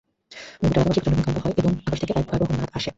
গোটা এলাকাব্যাপী প্রচণ্ড ভূমিকম্প হয় এবং আকাশ থেকে এক ভয়াবহ নাদ আসে।